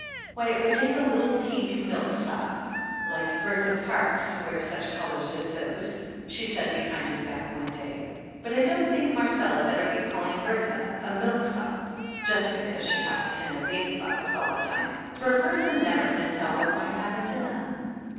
"Why, it would take a little pink milksop like Bertha Parkes to wear such colors as those" she said behind his back one day. But I don't think Marcella better be calling Bertha a milk sop just because she has to handle baby bottles all the time, for a person never can tell what might happen to them.